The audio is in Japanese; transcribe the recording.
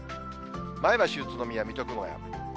前橋、宇都宮、水戸、熊谷。